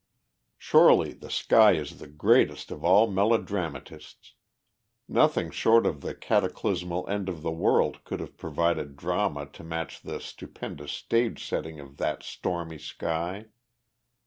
Surely the sky is the greatest of all melodramatists. Nothing short of the cataclysmal end of the world could have provided drama to match the stupendous stage setting of that stormy sky.